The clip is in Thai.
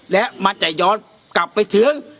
และมันจะย้อนกลับไปถึง